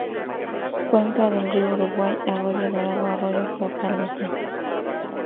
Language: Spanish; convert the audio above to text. Cuenca del río Uruguay: arroyo Dorado, arroyo Fortaleza.